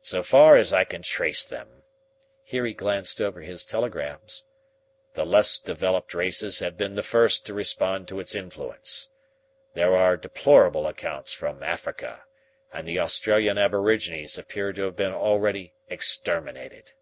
So far as I can trace them" here he glanced over his telegrams "the less developed races have been the first to respond to its influence. There are deplorable accounts from Africa, and the Australian aborigines appear to have been already exterminated.